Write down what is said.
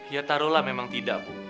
ya taruh lah memang tidak bu